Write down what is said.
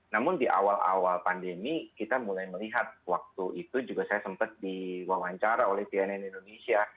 namun di awal awal pandemi kita mulai melihat waktu itu juga saya sempat diwawancara oleh cnn indonesia